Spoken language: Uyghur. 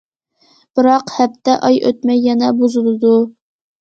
بىراق ھەپتە، ئاي ئۆتمەي يەنە بۇزۇلىدۇ.